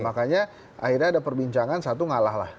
makanya akhirnya ada perbincangan satu ngalah lah